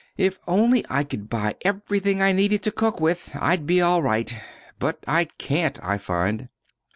If only I could buy everything I needed to cook with, I'd be all right. But I can't, I find."